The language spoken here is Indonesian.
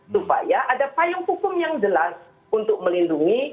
supaya ada payung hukum yang jelas untuk melindungi